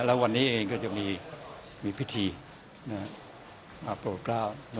และวันนี้เองก็จะมีมีพิธีนะฮะมาโปรดกล้าวนะฮะ